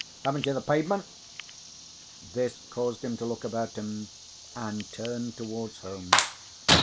Haven't you the pavement?" This caused him to look about him, and turn towards home.